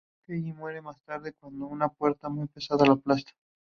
Kelly muere más tarde cuando una puerta muy pesada la aplasta.